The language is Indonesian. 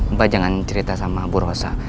mbah jangan cerita sama bu rosa